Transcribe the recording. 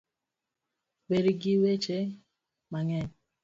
Weri gi weche mang'eny